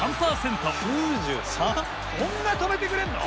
そんな止めてくれんの？